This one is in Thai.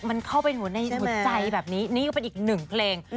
มันเข้าไปอยู่ในหัวใจแบบนี้นี่ก็เป็นอีกหนึ่งเพลง